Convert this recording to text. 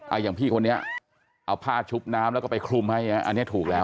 อ่าอย่างพี่คนนี้เอาผ้าชุบน้ำแล้วก็ไปคลุมให้อันนี้ถูกแล้ว